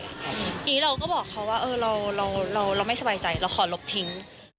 ทีนี้เราก็บอกเขาว่าเราไม่สบายใจเราขอลบทิ้ง